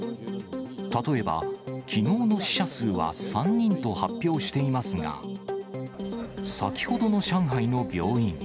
例えばきのうの死者数は３人と発表していますが、先ほどの上海の病院。